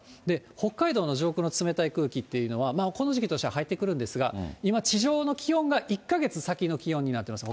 北海道の上空の冷たい空気っていうのは、この時期としては入ってくるんですが、今、地上の気温が１か月先の気温になってます。